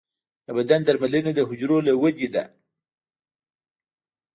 د بدن درملنه د حجرو له ودې ده.